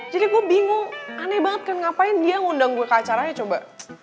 jadi gue bingung aneh banget kan ngapain dia ngundang gue ke acaranya coba